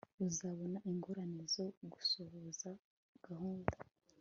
uzabona ingorane zo gusohoza gahunda